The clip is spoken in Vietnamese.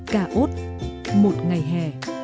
cà ốt một ngày hè